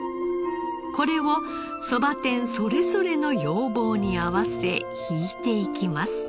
これをそば店それぞれの要望に合わせ挽いていきます。